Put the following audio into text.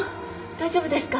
大丈夫ですか？